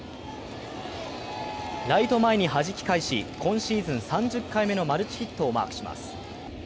ライト前にはじき返し、今シーズン３０回目のマルチヒットをマークします。